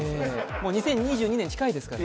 もう２０２２年近いですからね。